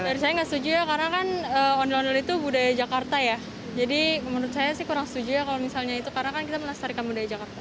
dari saya nggak setuju ya karena kan ondel ondel itu budaya jakarta ya jadi menurut saya sih kurang setuju ya kalau misalnya itu karena kan kita melestarikan budaya jakarta